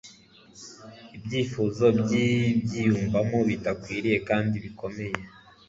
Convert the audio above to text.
Ibyifuzo byibyiyumvo bitwikiriye kandi bikomeye